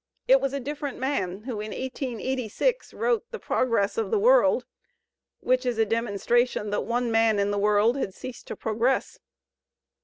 It was a different man who in 1886 wrote "The Progress of the World, " which is a demonstration that one man in the world had ceased to progress.